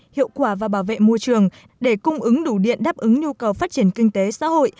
hiệu quả và bảo vệ môi trường để cung ứng đủ điện đáp ứng nhu cầu phát triển kinh tế xã hội